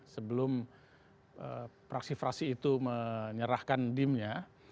sebelum praksifrasi itu menyerahkan dim nya